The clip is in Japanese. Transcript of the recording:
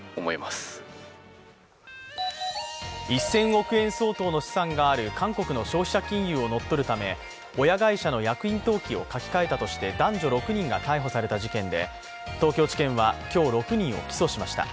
１０００億円相当の資産がある韓国の消費者金融を乗っ取るため親会社の役員登記を書き換えたとして男女６人が逮捕された事件で東京地検は今日、６人を起訴しました。